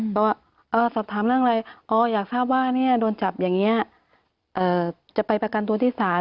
เพราะว่าสอบถามเรื่องอะไรอ๋ออยากทราบว่าโดนจับอย่างนี้จะไปประกันตัวที่ศาล